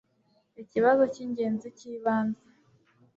ikibazo cy'ingenzi cy'ibanze